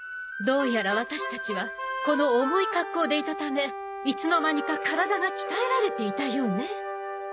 どうやらワタシたちはこの重い格好でいたためいつの間にか体が鍛えられていたようね。